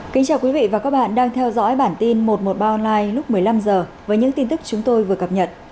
kính chào quý vị và các bạn đang theo dõi bản tin một trăm một mươi ba online lúc một mươi năm h với những tin tức chúng tôi vừa cập nhật